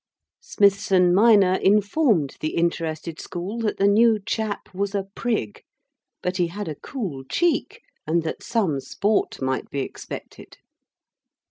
Smithson minor informed the interested school that the new chap was a prig, but he had a cool cheek, and that some sport might be expected.